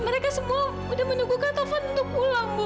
mereka semua udah menunggukan taufan untuk pulang bu